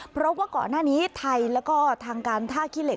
เพราะว่าก่อนหน้านี้ไทยแล้วก็ทางการท่าขี้เหล็